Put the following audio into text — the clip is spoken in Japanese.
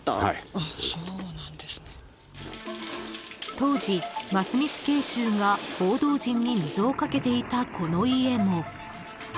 ［当時真須美死刑囚が報道陣に水をかけていたこの家も］